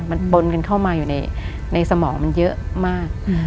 มันปนกันเข้ามาอยู่ในสมองมันเยอะมาก